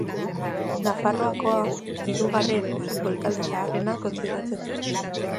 Nafarroako hirugarren futbol talde zaharrena kontsideratzen da.